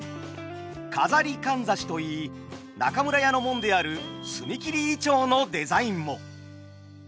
錺かんざしと言い中村屋の紋である角切銀杏のデザインも。